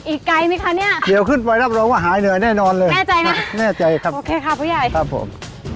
อีกไกลไหมคะเนี่ยเดี๋ยวขึ้นไปรับรองว่าหายเหนื่อยแน่นอนเลยแน่ใจนะแน่ใจครับโอเคค่ะผู้ใหญ่ครับผม